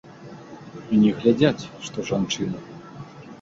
І не глядзяць, што жанчына.